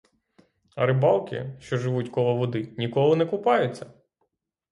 А рибалки, що живуть коло води, ніколи не купаються!